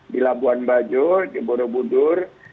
di labuan bajo di borobudur